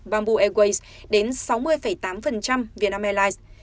bamboo airways đến sáu mươi tám việt nam airlines